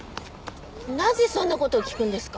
なぜそんな事を聞くんですか？